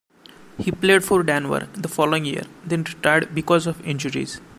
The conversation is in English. He played for Denver the following year, then retired because of injuries.